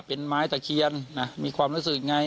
เป็นไม้ตะเคียนนะมีความรู้สึกไง